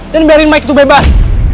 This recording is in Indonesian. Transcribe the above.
dan biarin mike itu bebas